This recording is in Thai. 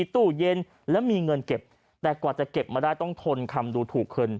ตู้เย็นแล้วมีเงินเก็บแต่กว่าจะเก็บมาได้ต้องทนคำดูถูกขึ้น